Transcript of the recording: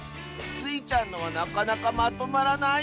スイちゃんのはなかなかまとまらないッス